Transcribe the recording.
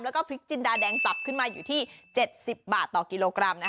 แล้วก็พริกจินดาแดงปรับขึ้นมาอยู่ที่๗๐บาทต่อกิโลกรัม